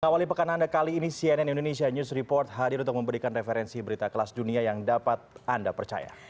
awali pekan anda kali ini cnn indonesia news report hadir untuk memberikan referensi berita kelas dunia yang dapat anda percaya